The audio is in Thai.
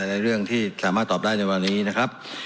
ในเรื่องที่สามารถตอบได้ในวันนี้นะครับ